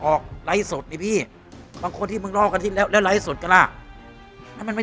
ออกไทยสโดดแบบที่มึงรอกันที่รักแล้วไหลสุดตัวละไม่มี